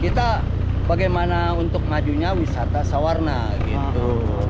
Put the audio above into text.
kita bagaimana untuk majunya wisata sawarna gitu